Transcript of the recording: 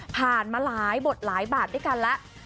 มาหลายบทหลายบาทด้วยกันแล้ว